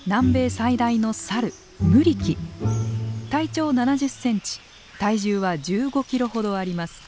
体長７０センチ体重は１５キロほどあります。